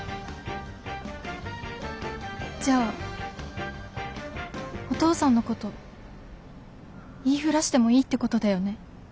じゃあお父さんのこと言いふらしてもいいってことだよね？